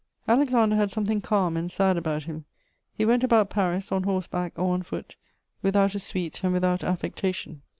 Alexander had something calm and sad about him. He went about Paris, on horse back or on foot, without a suite and without affectation.